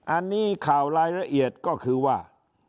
อันนี้ข่าวรายละเอียดก็คือว่า